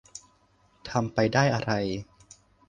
ทำไปได้อะไร